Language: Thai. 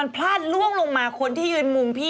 พลาดล่วงลงมาคนที่ยืนมุมพี่